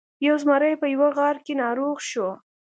یو زمری په یوه غار کې ناروغ شو.